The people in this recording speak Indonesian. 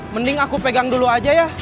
mending aku pegang dulu aja ya